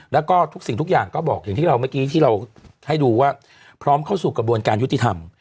แล้วก็ทุกสิ่งทุกอย่างก็บอกอย่างที่เราเมื่อกี้ที่เราให้ดูว่าพร้อมเข้าสู่กระบวนการยุติธรรม